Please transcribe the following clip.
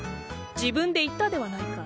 自分で言ったではないか。